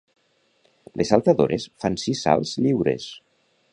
Les saltadores fan sis salts lliures.